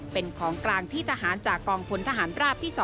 เป็นของกลางที่ทหารจากกองพลทหารราบที่๒